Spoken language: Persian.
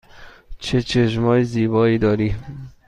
تو چشم های زیبایی داری.